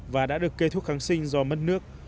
và đã được kê thuốc kháng sinh do mất nước